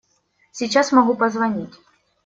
Сейчас могу позвонить.